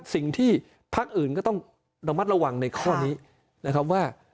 สิ่งที่ภาคอื่นก็ต้องระมัดระวังในข้อนี้เขาหมายความว่า